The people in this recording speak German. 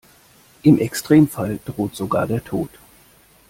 Im Extremfall droht sogar der Tod.